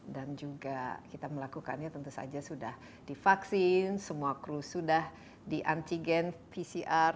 dan juga kita melakukannya tentu saja sudah di vaksin semua kru sudah di antigen pcr